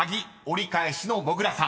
折り返しのもぐらさん］